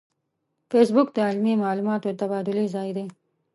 فېسبوک د علمي معلوماتو د تبادلې ځای دی